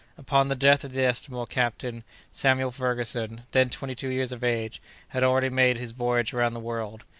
Upon the death of the estimable captain, Samuel Ferguson, then twenty two years of age, had already made his voyage around the world.